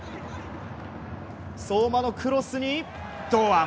相馬のクロスに、堂安。